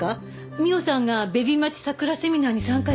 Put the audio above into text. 美緒さんがベビ待ち桜セミナーに参加していたの。